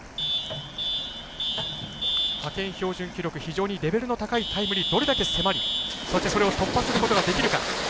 非常にレベルの高いタイムにどれだけ迫り、そしてそれを突破することができるか。